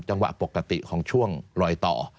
จังหวะปกติของช่วงลอยต่อ